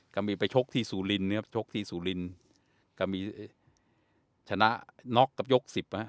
ก็มีไปชกที่สูลินครับชกที่สูลินก็มีชนะน็อกกับยก๑๐ครับ